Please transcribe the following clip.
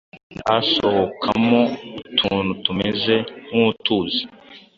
hasohokamo utuntu tumeze nk’utuzi